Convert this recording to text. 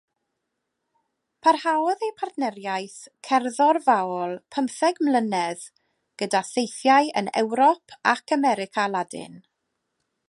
Parhaodd eu partneriaeth cerddorfaol pymtheg mlynedd gyda theithiau yn Ewrop ac America Ladin.